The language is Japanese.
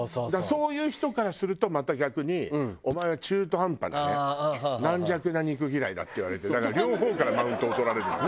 そういう人からするとまた逆に「お前は中途半端なね軟弱な肉嫌いだ」って言われてだから両方からマウントを取られるのよ。